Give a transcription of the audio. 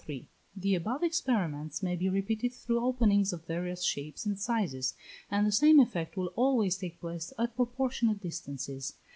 The above experiments may be repeated through openings of various shapes and sizes, and the same effect will always take place at proportionate distances.